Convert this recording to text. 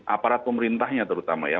aparat pemerintahnya terutama ya